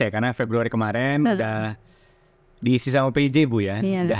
karena februari kemarin sudah diisi sama pj bu ya